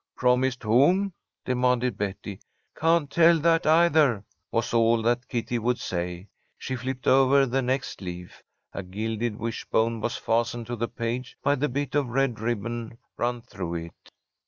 "Promised whom?" demanded Betty. "Can't tell that, either," was all that Kitty would say. She flipped over the next leaf. A gilded wishbone was fastened to the page by the bit of red ribbon run through it.